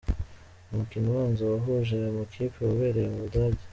Umukino ubanza wahuje aya makipe wabereye mu Budage.